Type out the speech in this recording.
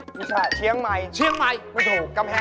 พิชาชีวิตเชียงรายไม่ถูก